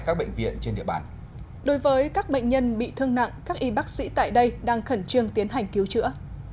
đối với các bệnh nhân bị thương nặng các y bác sĩ tại đây đang khẩn trương tiến hành cứu chữa